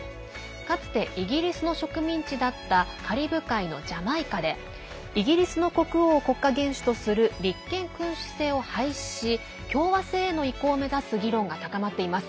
かつてイギリスの植民地だったカリブ海のジャマイカでイギリスの国王を国家元首とする立憲君主制を廃止し共和制への移行を目指す議論が高まっています。